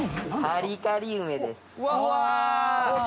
カリカリ梅です。